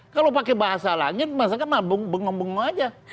kalau pakai bahasa lain masyarakat bengong bengong saja